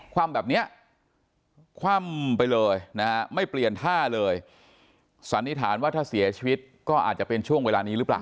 ความแบบเนี้ยคว่ำไปเลยนะฮะไม่เปลี่ยนท่าเลยสันนิษฐานว่าถ้าเสียชีวิตก็อาจจะเป็นช่วงเวลานี้หรือเปล่า